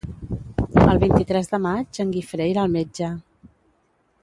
El vint-i-tres de maig en Guifré irà al metge.